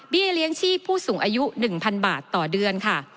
เลี้ยงชีพผู้สูงอายุ๑๐๐๐บาทต่อเดือนค่ะ